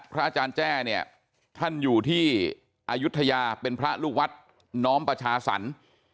อาจารย์แจ้เนี่ยท่านอยู่ที่อายุทยาเป็นพระลูกวัดน้อมประชาสรรค์